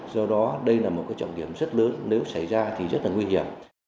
do đó đây là một trọng điểm rất lớn nếu xảy ra thì rất nguy hiểm